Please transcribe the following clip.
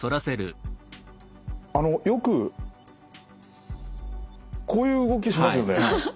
よくこういう動きしますよね。